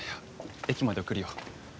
駅まで送るよ。